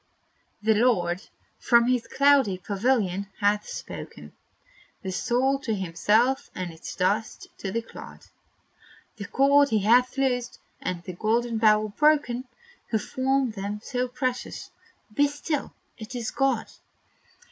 The Lord, from his cloudy pavilion, hath spoken The soul to himself, and its dust to the clod; The cord He hath loosed, and the golden bowl broken, Who formed them so precious. Be still! it is God.